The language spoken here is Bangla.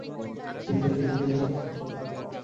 তোর ডিগ্রি যাতে বাতিল হয় তা আমি দেখে নিব।